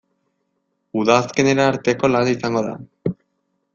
Udazkenera arteko lana izango da.